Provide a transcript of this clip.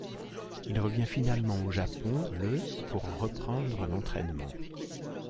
Il revient finalement au Japon le pour reprendre l'entrainement.